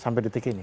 sampai detik ini